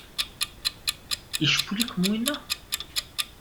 Icewwel-iken winna?